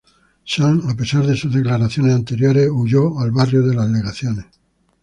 Zhang, a pesar de sus declaraciones anteriores, huyó al barrio de las legaciones.